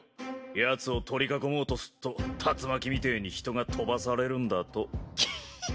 ヤツを取り囲もうとすっと竜巻みてぇに人が飛ばされるんだときききっ！